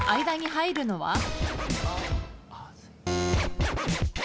間に入るのは？